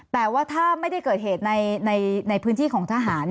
แต่ว่าถ้าไม่ได้เกิดเหตุในพื้นที่ของทหาร